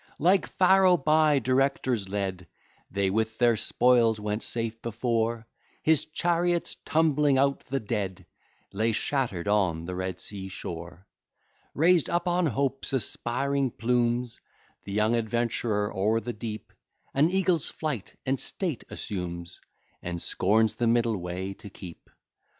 Like Pharaoh, by directors led, They with their spoils went safe before; His chariots, tumbling out the dead, Lay shatter'd on the Red Sea shore. Raised up on Hope's aspiring plumes, The young adventurer o'er the deep An eagle's flight and state assumes, And scorns the middle way to keep.